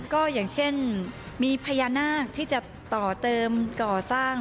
ก็อย่างเช่นมีพญานาคที่จะต่อเติมก่อสร้าง